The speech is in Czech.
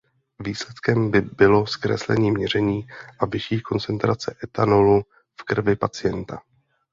Výsledkem by bylo zkreslení měření a vyšší koncentrace ethanolu v krvi pacienta.